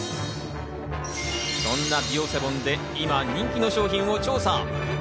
そんなビオセボンで今人気の商品を調査。